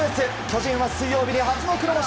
巨人は水曜日に初の黒星。